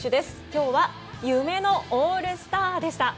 今日は夢のオールスターでした。